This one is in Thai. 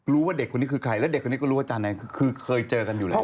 รู้ว่าเด็กคนนี้คือใครแล้วเด็กคนนี้ก็รู้ว่าอาจารย์แดงคือเคยเจอกันอยู่แล้ว